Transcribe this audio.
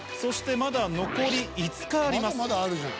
まだまだあるじゃん。